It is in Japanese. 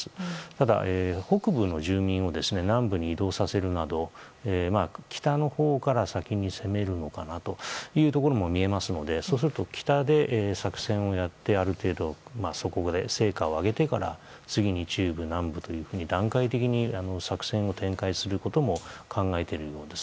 ただ、北部の住民を南部に移動させるなど北のほうから先に攻めるのかなというところも見えますのでそうすると、北で作戦をやってある程度そこで成果を挙げてから次に中部、南部と段階的に作戦を展開することも考えているようです。